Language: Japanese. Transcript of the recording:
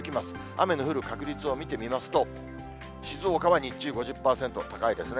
雨の降る確率を見てみますと、静岡は日中５０％、高いですね。